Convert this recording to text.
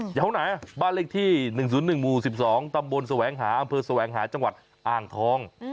แถวไหนบ้านเลขที่๑๐๑หมู่๑๒ตำบลแสวงหาอำเภอแสวงหาจังหวัดอ่างทอง